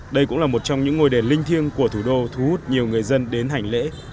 đây cũng là một trong những ngôi đền linh thiêng của thủ đô thu hút nhiều người dân đến hành lễ